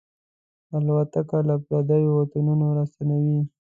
الوتکه له پردیو وطنونو راستنوي.